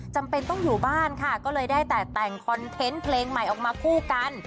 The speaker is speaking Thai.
จำเป็นต้องอยู่บ้านค่ะก็เลยได้แต่แต่งคอนเทนต์เพลงใหม่ออกมาคู่กัน